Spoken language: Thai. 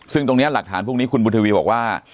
ซึ่งตรงนี้หลักฐานพวกนี้คุณบุญทวีบอกว่า